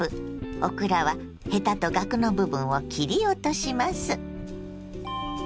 オクラはヘタとがくの部分を切り落とします。